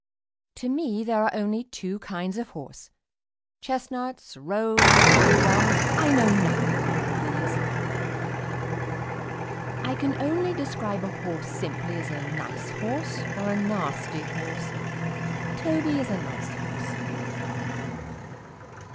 To me there are only two kinds of horse. Chestnuts, roans, bay rums I know nothing of all these; I can only describe a horse simply as a nice horse or a nasty horse. Toby is a nice horse.